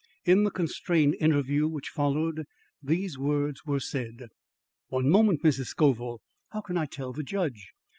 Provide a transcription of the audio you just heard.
In the constrained interview which followed, these words were said: "One moment, Mrs. Scoville. How can I tell the judge!